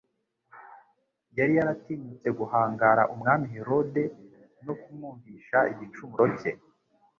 Yari yaratinyutse guhangara umwami Herode no kumwumvisha igicumuro cye.